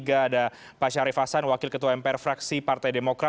ada pak syarif hasan wakil ketua mpr fraksi partai demokrat